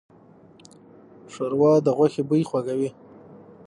ښوروا د غوښې بوی خوږوي.